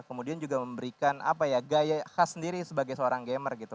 kemudian juga memberikan apa ya gaya khas sendiri sebagai seorang gamer gitu